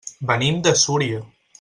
Venim de Súria.